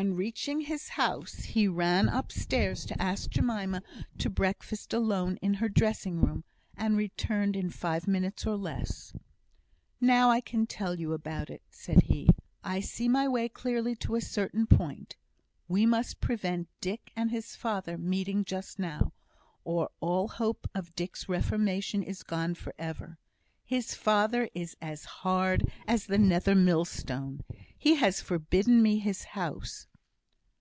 On reaching his house, he ran upstairs to ask Jemima to breakfast alone in her dressing room, and returned in five minutes or less. "Now I can tell you about it," said he. "I see my way clearly to a certain point. We must prevent Dick and his father meeting just now, or all hope of Dick's reformation is gone for ever. His father is as hard as the nether mill stone. He has forbidden me his house."